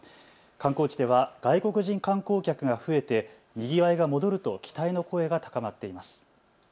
観光地では外国人観光客が増えてにぎわいが戻ると期待の声が高まっています。